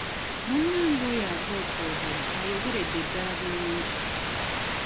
Munnange oyo ava okwogera ayogeredde ddala bulungi.